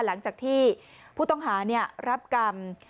หลังจากที่ผู้ต้องหารับกรรม